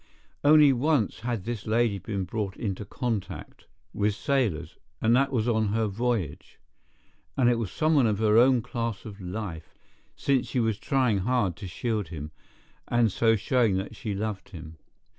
Only once had this lady been brought into contact with sailors, and that was on her voyage, and it was someone of her own class of life, since she was trying hard to shield him, and so showing that she loved him.